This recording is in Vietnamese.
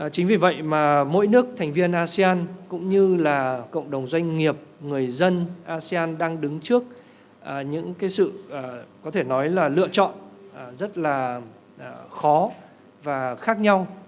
chính vì vậy mà mỗi nước thành viên asean cũng như là cộng đồng doanh nghiệp người dân asean đang đứng trước những cái sự có thể nói là lựa chọn rất là khó và khác nhau